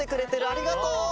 ありがとう。